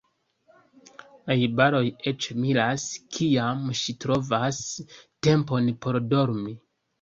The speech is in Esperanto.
Najbaroj eĉ miras, kiam ŝi trovas tempon por dormi.